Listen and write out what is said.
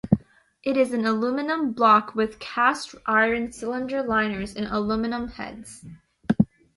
It is an aluminum block with cast-iron cylinder liners and aluminum heads.